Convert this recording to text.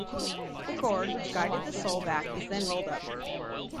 The cord which guided the soul back is then rolled up.